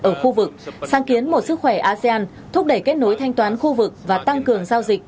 ở khu vực sáng kiến một sức khỏe asean thúc đẩy kết nối thanh toán khu vực và tăng cường giao dịch